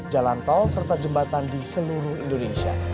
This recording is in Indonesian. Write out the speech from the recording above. jalan tol serta jembatan di seluruh indonesia